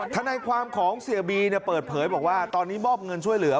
ทนายความของเสียบีเปิดเผยบอกว่าตอนนี้มอบเงินช่วยเหลือ